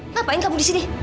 ngapain kamu di sini